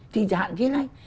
trên trạng thế này